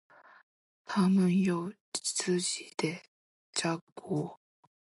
他们有自己的汗国。